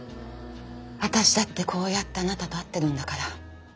私だってこうやってあなたと会ってるんだから。